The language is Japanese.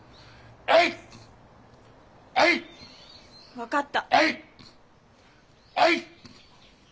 分かった。